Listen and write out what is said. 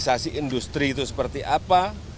investasi industri itu seperti apa